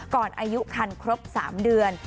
อายุคันครบ๓เดือน